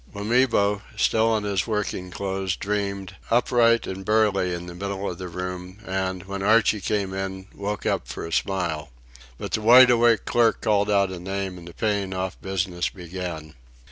Wamibo, still in his working clothes, dreamed, upright and burly in the middle of the room, and, when Archie came in, woke up for a smile. But the wide awake clerk called out a name, and the paying off business began.